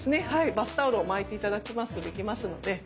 バスタオルを巻いて頂きますとできますので。